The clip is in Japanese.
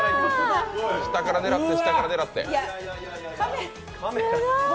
下から狙って、下から狙って。